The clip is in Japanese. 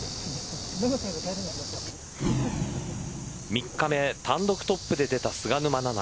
３日目単独トップで出た菅沼菜々。